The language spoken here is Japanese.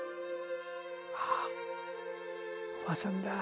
あっおばさんだぁ。